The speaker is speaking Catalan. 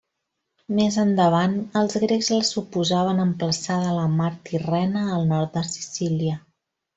Més endavant, els grecs la suposaven emplaçada a la mar Tirrena, al nord de Sicília.